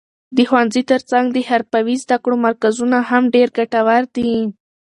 د ښوونځي تر څنګ د حرفوي زده کړو مرکزونه هم ډېر ګټور دي.